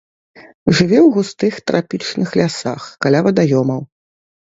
Жыве ў густых трапічных лясах, каля вадаёмаў.